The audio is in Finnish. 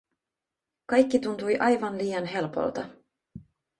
Kaikki tuntui aivan liian helpolta.